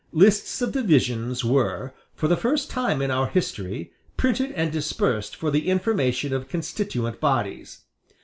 Lists of divisions were, for the first time in our history, printed and dispersed for the information of constituent bodies.